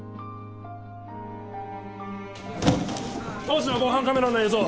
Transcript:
当時の防犯カメラの映像